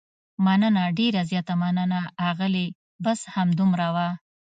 مننه، ډېره زیاته مننه، اغلې، بس همدومره و.